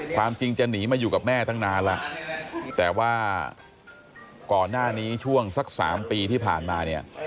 ความจริงจะหนีมาอยู่กับแม่ตั้งนานแล้วแต่ว่าก่อนหน้านี้ช่วงสัก๓ปีที่ผ่านมาเนี่ย